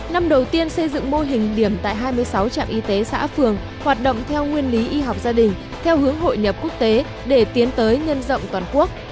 năm đầu tiên xây dựng mô hình điểm tại hai mươi sáu trạm y tế xã phường hoạt động theo nguyên lý y học gia đình theo hướng hội nhập quốc tế để tiến tới nhân rộng toàn quốc